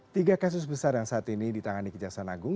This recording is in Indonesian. tiga kasus besar yang saat ini ditangani kejaksaan agung